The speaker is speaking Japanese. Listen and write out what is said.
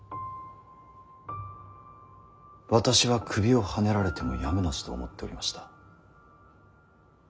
私は首をはねられてもやむなしと思っておりました。